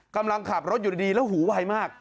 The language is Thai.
กำลังขับรถอยู่ดีแล้วหูไวมาก